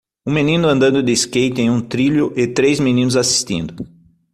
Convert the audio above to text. Um menino andando de skate em um trilho e três meninos assistindo.